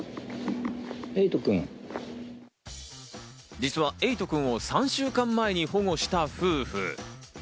実はエイトくんを３週間前に保護した夫婦。